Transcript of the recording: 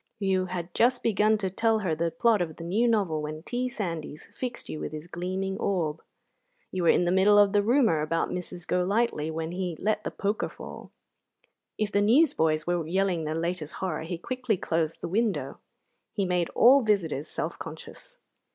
You had just begun to tell her the plot of the new novel when T. Sandys fixed you with his gleaming orb. You were in the middle of the rumour about Mrs. Golightly when he let the poker fall. If the newsboys were yelling the latest horror he quickly closed the window. He made all visitors self conscious.